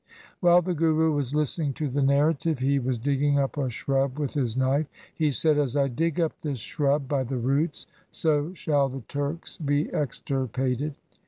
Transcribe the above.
While the Guru was listening to the narrative, he was digging up a shrub with his knife. He said, ' As I dig up this shrub by the roots, so shall the Turks be extirpated.'